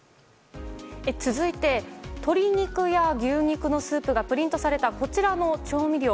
続いて、鶏肉や牛肉のスープがプリントされたこちらの調味料。